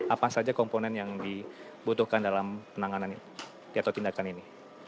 apa saja komponen yang dibutuhkan dalam penanganan ini atau tindakan ini